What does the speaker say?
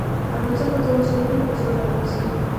الوتکه د وزرونو په زور الوزي.